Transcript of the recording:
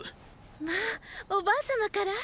まァおばあ様から？